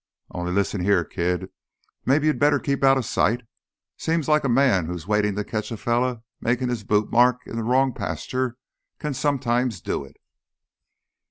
Only, lissen here, kid, maybe you'd better keep outta sight. Seems like a man who's waitin' to catch a fella makin' his boot mark in th' wrong pasture can sometimes do it."